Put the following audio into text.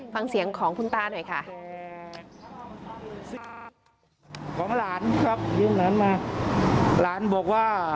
ฟังเสียงของคุณตาหน่อยค่ะ